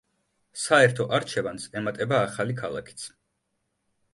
საერთო არჩევანს ემატება ახალი ქალაქიც.